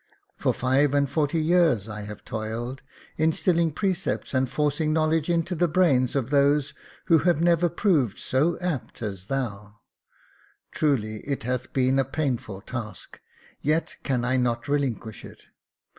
For five and forty years have I toiled, instilling precepts and forcing knowledge into the brains of those who have never proved so apt as thou. Truly, it hath been a painful task, yet can I not relinquish it.